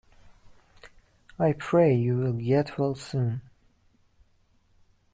I pray you will get well soon.